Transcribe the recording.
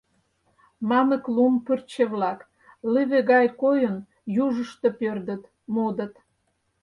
Мамык лум пырче-влак, лыве гай койын, южышто пӧрдыт, модыт.